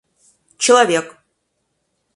человек